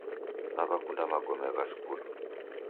Nawakunda magome gha skulu.